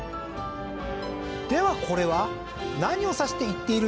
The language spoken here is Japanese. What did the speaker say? ではこれは何を指して言っているんでしょうか？